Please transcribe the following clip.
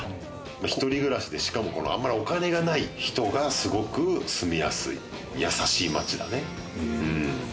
一人暮らしで、しかもお金がない人がすごく住みやすい、やさしい街だね。